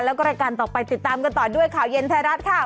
แล้วก็รายการต่อไปติดตามกันต่อด้วยข่าวเย็นไทยรัฐค่ะ